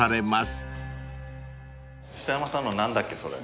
磯山さんの何だっけそれ。